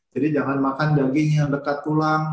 jadi jangan makan daging yang dekat tulang